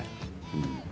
うん。